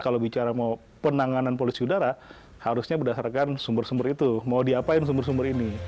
kalau bicara mau penanganan polusi udara harusnya berdasarkan sumber sumber itu mau diapain sumber sumber ini